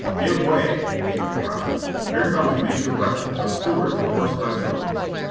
"Give way," came the cry, "here comes Major Breathed, of Stuart's horse artillery!"